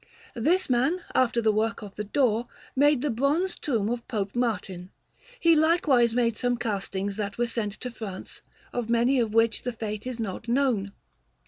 This man, after the work of the door, made the bronze tomb of Pope Martin. He likewise made some castings that were sent to France, of many of which the fate is not known.